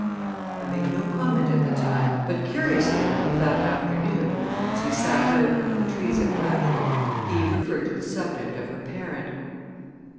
I made no comment at the time, but curiously enough that afternoon, as we sat out under the trees at Ranelagh, Eve referred to the subject of her parent.